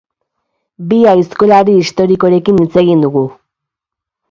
Bi aizkolari historikorekin hitz egingo dugu.